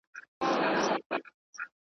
موږ خو نه د دار، نه دسنګسار میدان ته ووتو.